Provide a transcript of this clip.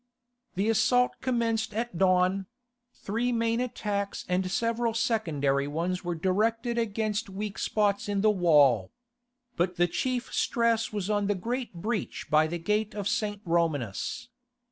The assault commenced at dawn; three main attacks and several secondary ones were directed against weak spots in the wall. But the chief stress was on the great breach by the gate of St. Romanus.